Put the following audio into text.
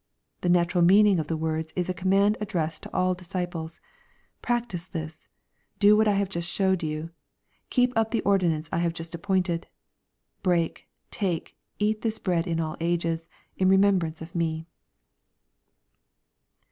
The natural meaning of the words is a command addressed to all disciples. "Practise this," — "Do what I have just showed you," — "Keep up the ordinance I have just appointed," —" Break, take, eat this bread in all ages, in remembrance of me."